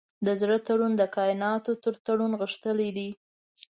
د زړه تړون د کایناتو تر تړون غښتلی دی.